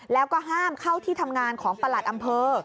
แล้วก็ห้ามเข้าที่ทำงานของประหลัดอำเภอ